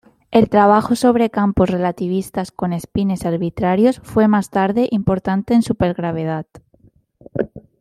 El trabajo sobre campos relativistas con espines arbitrarios fue más tarde importante en supergravedad.